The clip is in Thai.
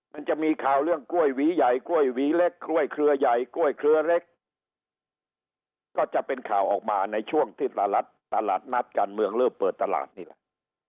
มันจะมีข่าวเรื่องกล้วยหวีใหญ่กล้วยหวีเล็กกล้วยเครือใหญ่กล้วยเครือเล็กก็จะเป็นข่าวออกมาในช่วงที่ตลาดตลาดนัดการเมืองเริ่มเปิดตลาดนี่แหละ